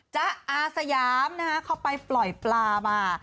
จ๊ะอาสยามนะฮะเขาไปปล่อยปลามา